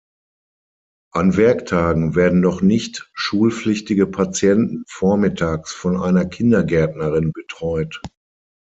An Werktagen werden noch nicht schulpflichtige Patienten vormittags von einer Kindergärtnerin betreut.